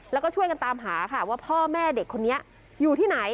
แล้วก็ช่วยกันตามหาค่ะว่าพ่อแม่เด็กคนนี้อยู่ที่ไหน